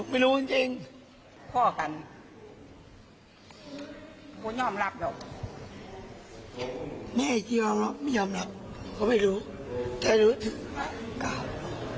แม่จริงยอมรับไม่ยอมรับเขาไม่รู้แต่รู้ถึงกล้าว